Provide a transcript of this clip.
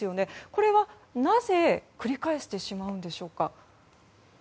これは、なぜ繰り返してしまうんでしょうか。